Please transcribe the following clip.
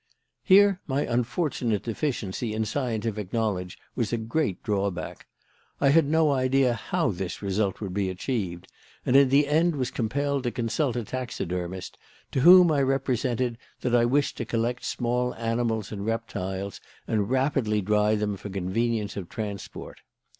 "Here my unfortunate deficiency in scientific knowledge was a great drawback. I had no idea how this result would be achieved, and in the end was compelled to consult a taxidermist, to whom I represented that I wished to collect small animals and reptiles and rapidly dry them for convenience of transport.